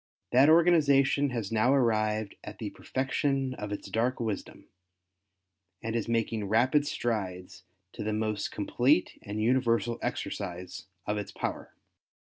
That organization has now arrived at the perfection of its dark wisdom, and is making rapid strides to the most complete and universal exercise of its power.